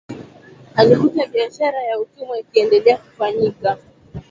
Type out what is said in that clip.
Alikuta biashara ya utumwa ikiendelea kufanyika